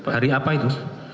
hari apa itu